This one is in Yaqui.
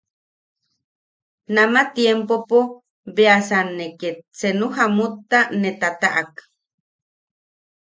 Nama tiempopo beasan ne ket senu jamutta ne tataʼak.